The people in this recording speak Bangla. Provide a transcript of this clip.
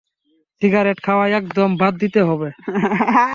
সিগারেট খাওয়া একদম বাদ দিতে হবে।